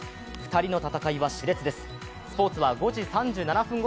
２人の戦いはしれつです。